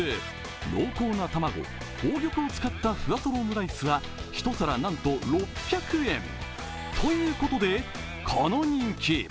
濃厚な卵・宝玉を使ったフワとろオムライス、１皿なんと６００円。ということで、この人気。